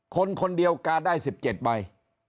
คนคนเดียวกาได้๑๗ใบ